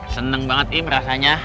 seneng banget ini merasanya